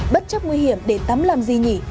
bất chấp nguy hiểm để tắm làm gì nhỉ